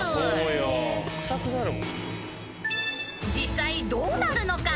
［実際どうなるのか？